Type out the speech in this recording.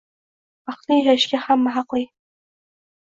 Baxtli yashashga hamma haqli!ng